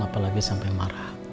apalagi sampai marah